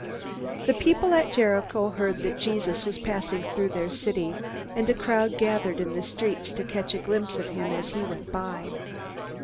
The people at Jericho heard that Jesus was passing through their city, and a crowd gathered in the streets to catch a glimpse of him as he went by.